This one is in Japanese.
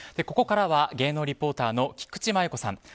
ここからは芸能リポーターの菊池真由子さん。